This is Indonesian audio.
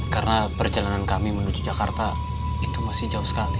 karena perjalanan kami menuju jakarta itu masih jauh sekali